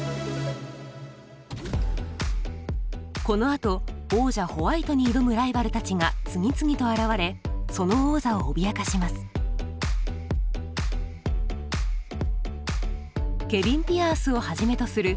このあと王者ホワイトに挑むライバルたちが次々と現れその王座をおびやかします。